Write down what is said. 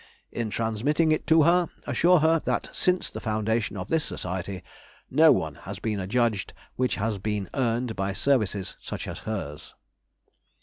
In transmitting it to her, assure her that since the foundation of this Society, no one has been adjudged which has been earned by services such as hers.